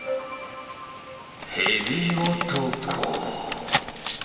ヘビ男。